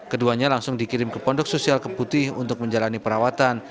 keduanya langsung dikirim ke pondok sosial keputih untuk menjalani perawatan